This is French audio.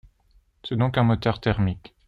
C'est donc un moteur thermique.